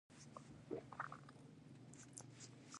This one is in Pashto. د چاپیریال ساتنې اداره فعاله ده.